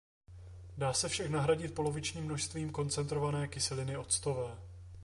Dá se však nahradit polovičním množstvím koncentrované kyseliny octové.